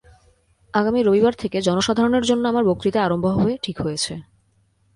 আগামী রবিবার থেকে জনসাধারণের জন্য আমার বক্তৃতা আরম্ভ হবে, ঠিক হয়েছে।